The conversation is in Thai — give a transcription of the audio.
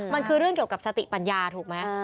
มันคือเรื่องเกี่ยวกับสติปัญญาถูกไหม